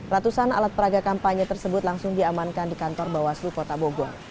ratusan alat peraga kampanye tersebut langsung diamankan di kantor bawaslu kota bogor